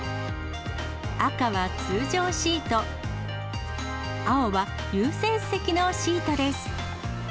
赤は通常シート、青は優先席のシートです。